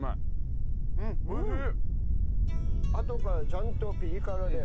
あとからちゃんとピリ辛で。